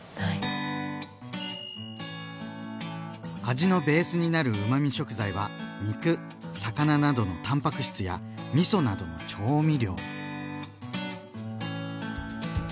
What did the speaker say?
味のベースになるうまみ食材は肉魚などのたんぱく質やみそなどの調味料。